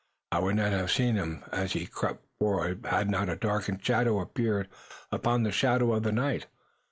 "I would not have seen him as he crept forward had not a darker shadow appeared upon the shadow of the night.